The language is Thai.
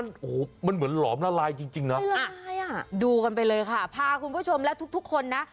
โอ้โหมันเหมือนหลอมละลายจริงนะดูกันไปเลยค่ะพาคุณผู้ชมและทุกทุกคนนะ